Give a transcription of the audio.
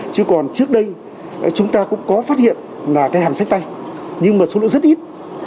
chứ còn trước đây chúng ta cũng có phát hiện là cái hàm sách tay nhưng mà số lượng rất ít